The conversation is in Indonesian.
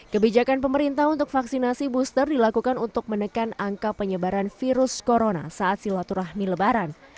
kebijakan pemerintah untuk vaksinasi booster dilakukan untuk menekan angka penyebaran virus corona saat silaturahmi lebaran